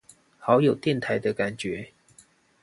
好有電台的感覺